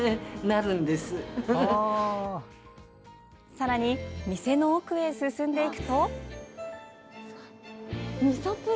さらに、店の奥へ進んでいくと。